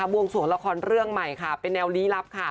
วงสวงละครเรื่องใหม่ค่ะเป็นแนวลี้ลับค่ะ